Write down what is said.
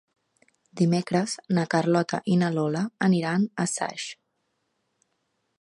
Dimecres na Carlota i na Lola aniran a Saix.